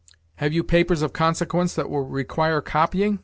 "Have you papers of consequence that will require copying?